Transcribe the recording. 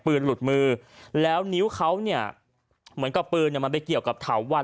หลุดมือแล้วนิ้วเขาเนี่ยเหมือนกับปืนมันไปเกี่ยวกับเถาวัน